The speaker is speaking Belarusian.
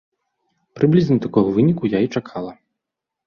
Прыблізна такога выніку я і чакала.